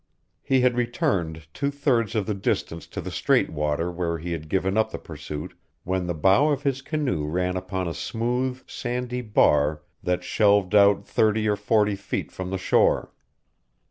He had returned two thirds of the distance to the straight water where he had given up the pursuit when the bow of his canoe ran upon a smooth, sandy bar that shelved out thirty or forty feet from the shore.